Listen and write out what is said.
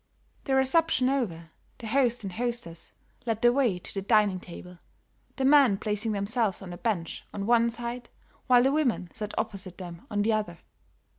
The reception over, the host and hostess led the way to the dining table, the men placing themselves on the bench on one side while the women sat opposite them on the other.